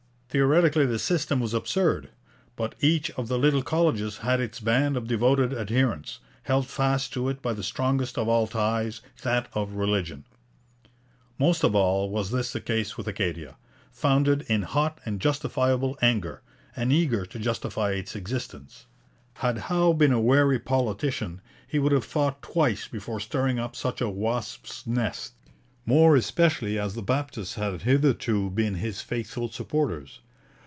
Theoretically this system was absurd. But each of the little colleges had its band of devoted adherents, held fast to it by the strongest of all ties, that of religion. Most of all was this the case with Acadia, founded in hot and justifiable anger, and eager to justify its existence. Had Howe been a wary politician, he would have thought twice before stirring up such a wasp's nest, more especially as the Baptists had hitherto been his faithful supporters.